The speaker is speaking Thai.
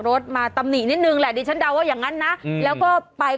รถมาตำหนินิดนึงแหละดิฉันเดาว่าอย่างนั้นนะแล้วก็ไป